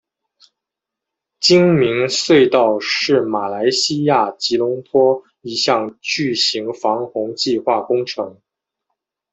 精明隧道是马来西亚吉隆坡一项巨型防洪计划工程。